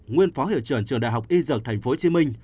nguyên phó hiệu trưởng trường đại học y dược tp hcm